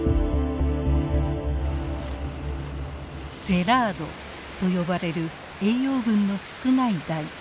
セラードと呼ばれる栄養分の少ない大地。